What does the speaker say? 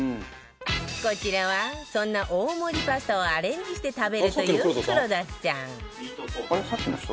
こちらはそんな大盛りパスタをアレンジして食べるという黒田さんバカリズム：さっきの人？